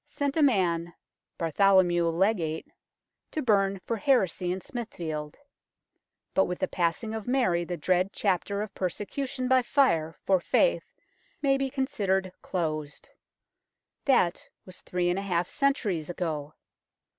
sent a man Bartholomew Legate to burn for heresy in Smithfield ; but with the passing of Mary the dread chapter of persecution by fire for faith may be considered closed. That was three and a half centuries ago.